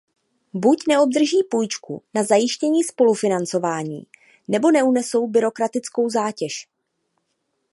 Buď neobdrží půjčku na zajištění spolufinancování, nebo neunesou byrokratickou zátěž.